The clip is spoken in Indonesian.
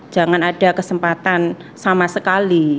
jangan ada kesempatan sama sekali